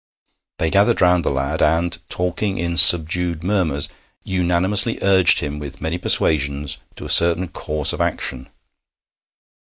They gathered round the lad, and, talking in subdued murmurs, unanimously urged him with many persuasions to a certain course of action.